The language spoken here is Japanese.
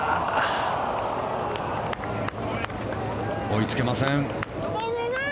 追いつけません。